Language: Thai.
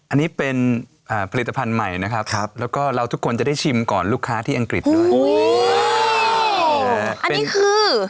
อันนี้เป็นผลิตภัณฑ์ใหม่นะครับแล้วก็เราทุกคนจะได้ชิมก่อนลูกค้าที่อังกฤษด้วยอันนี้คือ